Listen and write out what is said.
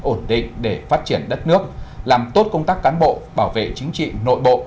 ổn định để phát triển đất nước làm tốt công tác cán bộ bảo vệ chính trị nội bộ